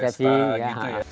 bersesati gitu ya